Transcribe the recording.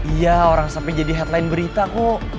iya orang sampai jadi headline berita kok